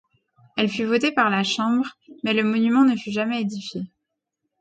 Elle fut votée par la Chambre, mais le monument ne fut jamais édifié.